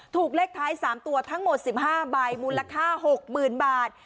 ถูกเลขท้าย๓ตัวทั้งหมด๑๕ใบมูลค่า๖๐๐๐บาท